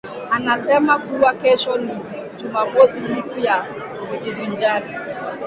Anasema kuwa kesho ni jumamosi, siku ya kujivinjari.